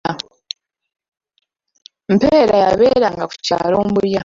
Mpeera yabeeranga ku kyalo Mbuya.